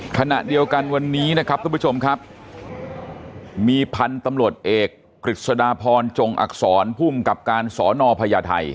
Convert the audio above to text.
ขณะเดียวกันวันนี้นะครับทุกผู้ชมครับมีพันธุ์ตำรวจเอกกฤษฎาพรจงอักษรภูมิกับการสอนอพญาไทย